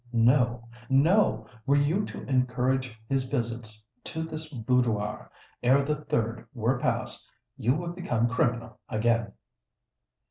No—no! Were you to encourage his visits to this boudoir, ere the third were passed, you would become criminal again!"